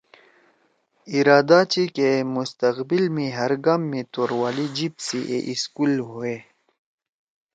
ارادہ چھی کہ مستقبل می ہر گام می توروالی جیِب سی اے سکول ہوئے۔